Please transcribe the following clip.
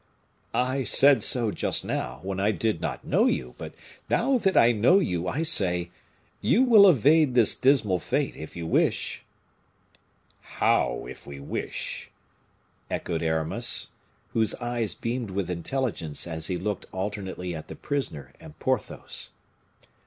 "I said so just now, when I did not know you; but now that I know you, I say you will evade this dismal fate, if you wish!" "How if we wish?" echoed Aramis, whose eyes beamed with intelligence as he looked alternately at the prisoner and Porthos.